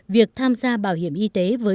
việc tham gia bảo hiểm y tế với bảo hiểm xã hội